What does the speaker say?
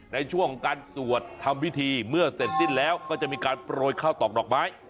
ในช่วงของการสวดทำพิธีเมื่อเสร็จสิ้นแล้วก็จะมีการโปรยข้าวตอกดอกไม้